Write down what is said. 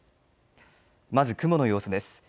まず雲の様子です。